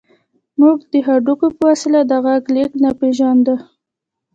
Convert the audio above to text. موږ د هډوکي په وسیله د غږ لېږد نه پېژانده